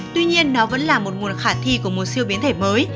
tuy nhiên nó vẫn là một nguồn khả thi của một siêu biến thể mới